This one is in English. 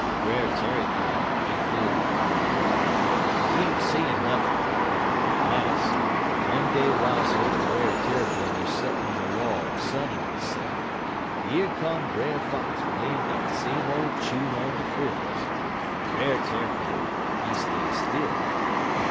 _' "Brer Tarrypin, he feel mighty bad, but he ain't sayin' nothin'. Las', one day w'iles ole Brer Tarrypin was settin' on a log sunnin' hisse'f, yer come Brer Fox playin' dat same old chune on de quills, but Brer Tarrypin, he stay still.